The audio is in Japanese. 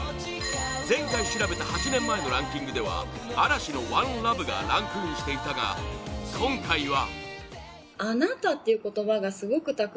前回調べた８年前のランキングでは嵐の「ＯｎｅＬｏｖｅ」がランクインしていたが今回は！